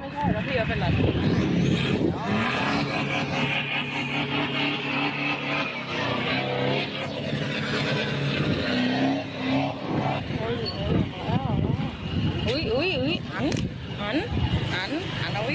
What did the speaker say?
โอ้โหถ่ายมือออกมาไป